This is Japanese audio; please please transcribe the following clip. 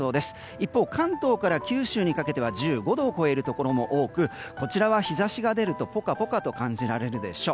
一方、関東から九州にかけては１５度を超えるところも多くこちらは日差しが出るとポカポカと感じられるでしょう。